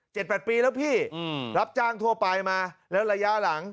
แปดปีแล้วพี่อืมรับจ้างทั่วไปมาแล้วระยะหลัง